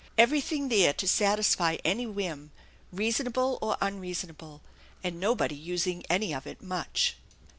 Every thing there to satisfy any whim, reasonable or unreasonable, and nobody using any of it much.